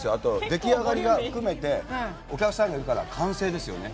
出来上がり含めてお客さんがいるから歓声ですよね。